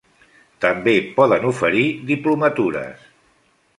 També poden oferir diplomatures.